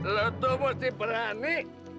lo tuh mesti berani